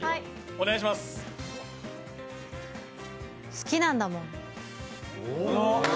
好きなんだもん。